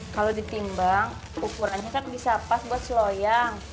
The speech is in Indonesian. kalau ditimbang ukurannya kan bisa pas buat seloyang